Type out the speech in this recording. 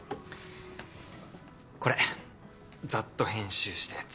これざっと編集したやつ。